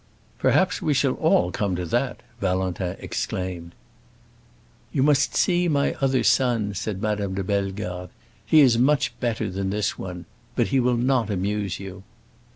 "Perhaps we shall all come to that!" Valentin exclaimed. "You must see my other son," said Madame de Bellegarde. "He is much better than this one. But he will not amuse you."